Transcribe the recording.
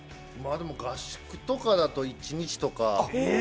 合宿とかだと１日とか。